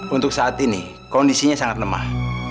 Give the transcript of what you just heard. untuk saat ini kondisinya sangat lemah